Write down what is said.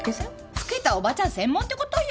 老けたおばちゃん専門ってことよ。